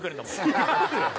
違うよ。